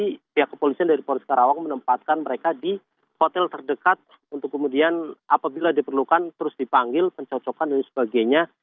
pihak kepolisian dari polres karawang menempatkan mereka di hotel terdekat untuk kemudian apabila diperlukan terus dipanggil pencocokan dan sebagainya